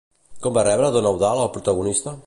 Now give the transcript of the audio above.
Com va rebre Don Eudald al protagonista?